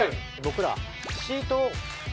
僕ら。